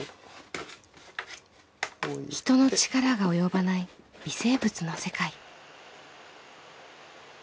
人の力が及ばない微生物の世界。